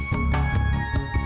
bapak temen dua